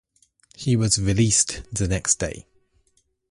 He was released the next day.